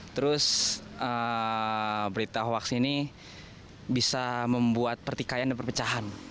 terus berita hoaks ini bisa membuat pertikaian dan perpecahan